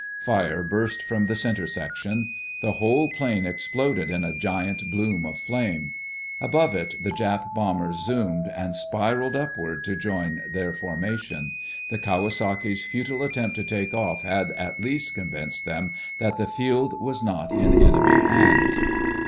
Fire burst from the center section. The whole plane exploded in a giant bloom of flame. Above it the Jap bombers zoomed, and spiralled upward to join their formation. The Kawasaki's futile attempt to take off had at least convinced them that the field was not in enemy hands.